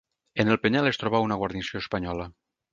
En el penyal es troba una guarnició espanyola.